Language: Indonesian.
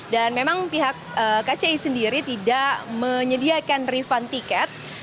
dan memang pihak kci sendiri tidak menyediakan refund tiket